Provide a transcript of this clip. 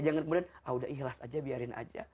jangan kemudian ah udah ikhlas aja biarin aja